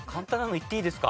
いっていいですか？